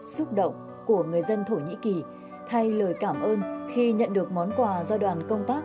xúc động của người dân thổ nhĩ kỳ thay lời cảm ơn khi nhận được món quà do đoàn công tác